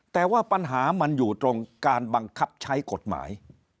แต่ว่าปัญหามันอยู่ตรงการบังคับใช้กฎหมาย